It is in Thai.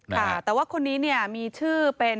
ค่ะแต่ว่าคนนี้เนี่ยมีชื่อเป็น